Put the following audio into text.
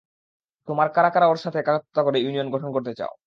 তোমার কারা কারা ওর সাথে একাত্মতা করে ইউনিয়ন গঠন করতে চাও?